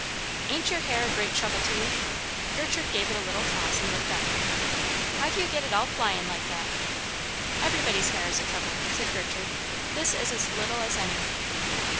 "Ain't your hair a great trouble to you?" Gertrude gave it a little toss and looked up. "How do you get it all flying like that?" "Everybody's hair is a trouble," said Gertrude. "This is as little as any."